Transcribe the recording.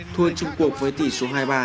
thua chung cuộc với tỷ số hai ba